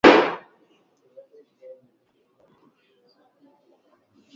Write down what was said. kikundi cha kwaya cha wasichana kujitiokeza hadharani wakiwa